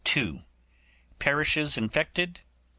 Parishes infected, 1.